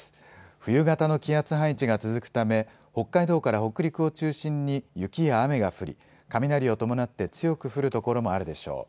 冬型の気圧配置が続くため北海道から北陸を中心に雪や雨が降り、雷を伴って強く降る所もあるでしょう。